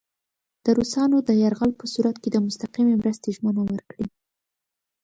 د روسانو د یرغل په صورت کې د مستقیمې مرستې ژمنه ورکړي.